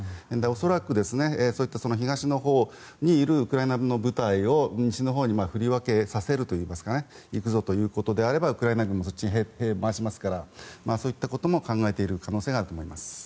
恐らくそういった東のほうにいるウクライナ軍の部隊を西のほうに振り分けさせるといいますか行くぞということであればウクライナ軍もそっちに兵を回しますからそういったことも考えている可能性があると思います。